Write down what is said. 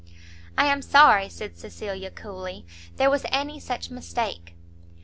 "I am sorry," said Cecilia, coolly, "there was any such mistake."